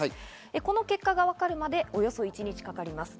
この結果がわかるまでおよそ一日かかります。